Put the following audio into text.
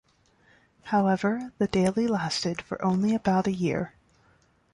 However, the daily lasted for only about a year.